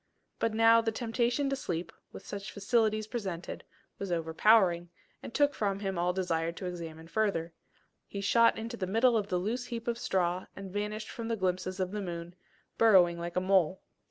But now the temptation to sleep, with such facilities presented, was overpowering, and took from him all desire to examine further: he shot into the middle of the loose heap of straw, and vanished from the glimpses of the moon, burrowing like a mole.